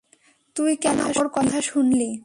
তুই কেন ওর কথা শুনলি?